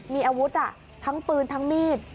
มีอาวุธทั้งปืนทั้งมีด